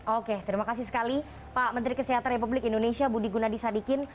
oke terima kasih sekali pak menteri kesehatan republik indonesia budi gunadisadikin